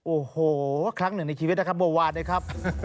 โอ้โหครั้งหนึ่งในชีวิตนะครับเมื่อวานนะครับ